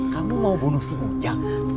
kamu mau bunuh si ujang